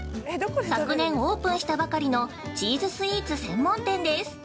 昨年オープンしたばかりのチーズスイーツ専門店です。